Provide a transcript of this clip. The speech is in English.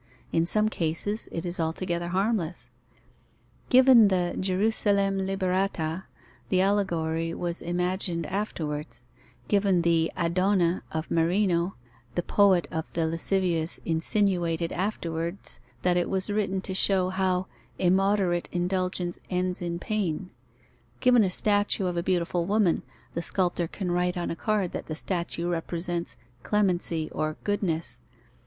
In some cases, it is altogether harmless. Given the Gerusalemme liberata, the allegory was imagined afterwards; given the Adone of Marino, the poet of the lascivious insinuated afterwards that it was written to show how "immoderate indulgence ends in pain"; given a statue of a beautiful woman, the sculptor can write on a card that the statue represents Clemency or Goodness.